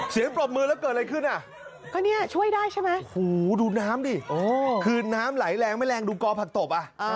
เสียงปรบมือแล้วเกิดอะไรขึ้นช่วยได้ใช่ไหมดูน้ำดิคือน้ำไหลแรงไม่แรงดูกอผักตบ